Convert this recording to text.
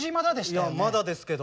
いやまだですけど。